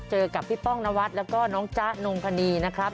เจอกับพี่ป้องนวัดแล้วก็น้องจ๊ะนงคณีนะครับ